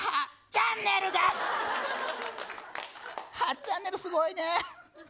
８チャンネルすごいね。